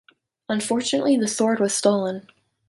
Unfortunately the sword was stolen.